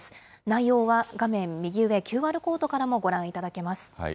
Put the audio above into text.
内容は画面右上、ＱＲコードからもご覧いただけます。